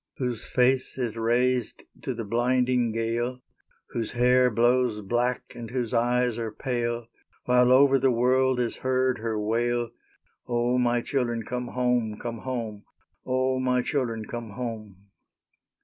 Whose face is raised to the blinding gale; Whose hair blows black and whose eyes are pale, While over the world is heard her wail, "O, my children, come home, come home! O, my children, come home!"